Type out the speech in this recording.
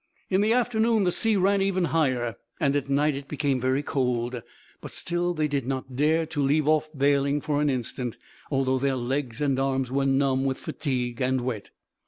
In the afternoon the sea ran even higher, and at night it became very cold; but still they did not dare to leave off baling for an instant, though their legs and arms were numb with fatigue and wet.